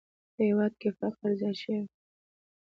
په هېواد کې فقر زیات شوی دی!